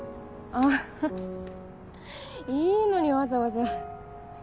あぁいいのにわざわざ。